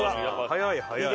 早い早い。